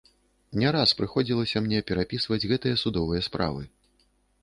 Не раз прыходзілася мне перапісваць гэтыя судовыя справы.